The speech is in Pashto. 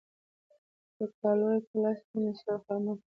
پر کالو يې په لاس باندې سور خامک شوی و.